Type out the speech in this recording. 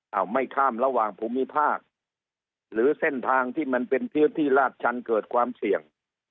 เอาไม่ข้ามระหว่างภูมิภาคหรือเส้นทางที่มันเป็นพื้นที่ลาดชันเกิดความเสี่ยง